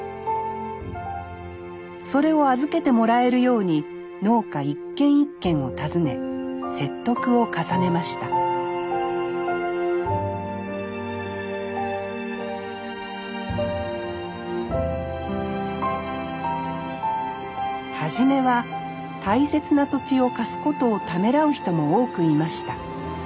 それを預けてもらえるように農家一軒一軒を訪ね説得を重ねました初めは大切な土地を貸すことをためらう人も多くいました。